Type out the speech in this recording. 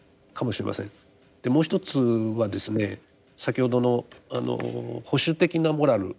もう一つはですね先ほどの保守的なモラル